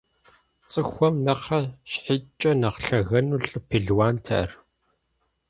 ЦӀыхухэм нэхърэ щхьитӀкӀэ нэхъ лъэгэну лӀы пелуант ар.